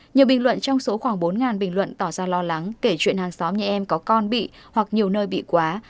nhiều bình luận trong số khoảng bốn bình luận tỏ ra lo lắng kể chuyện hàng xóm nhà em có con bị hoặc nhiều nơi bị quá